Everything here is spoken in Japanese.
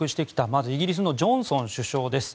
まずイギリスのジョンソン首相です。